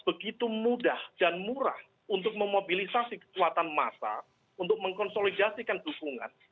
begitu mudah dan murah untuk memobilisasi kekuatan massa untuk mengkonsolidasikan dukungan